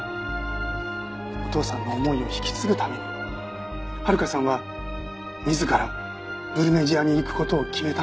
お父さんの思いを引き継ぐために遥さんは自らブルネジアに行く事を決めたんです。